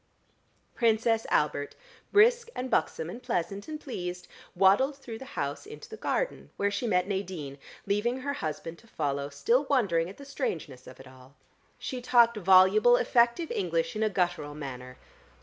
Princess Albert, brisk and buxom and pleasant and pleased, waddled through the house into the garden, where she met Nadine, leaving her husband to follow still wondering at the strangeness of it all. She talked voluble, effective English in a guttural manner.